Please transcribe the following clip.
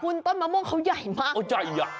คุณต้นมะม่วงเค้าย่ายมาก